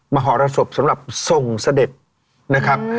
มหรสบสำหรับส่งเสด็จนะครับ